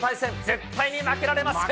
絶対に負けられません。